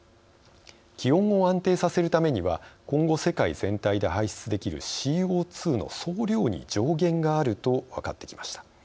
気温を安定させるためには今後、世界全体で排出できるＣＯ２の総量に上限があると分かってきました。